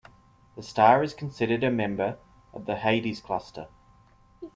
The star is considered a member of the Hyades cluster.